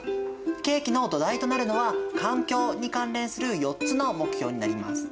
ケーキの土台となるのは環境に関連する４つの目標になります。